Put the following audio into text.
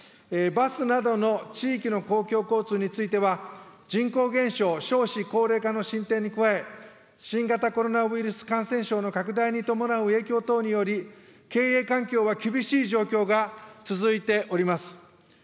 バスなどの地域の公共交通については、人口減少、少子高齢化の進展に加え、新型コロナウイルス感染症の拡大に伴う影響等により、経営環境が厳しい状況が続いております。